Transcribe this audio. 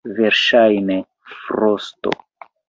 Verŝajne frosto.